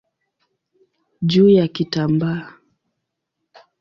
juu ya kitambaa.